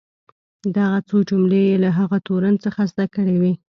دغه څو جملې یې له هغه تورن څخه زده کړې وې.